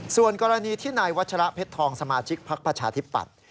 ส่วนกรณีที่นายวัชระเพชรทองสมาชิกพักประชาธิปัตย์